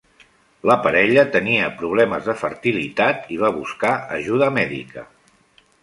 La parella tenia problemes de fertilitat i va buscar ajuda mèdica.